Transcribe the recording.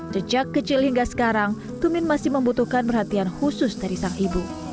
sejak kecil hingga sekarang tumin masih membutuhkan perhatian khusus dari sang ibu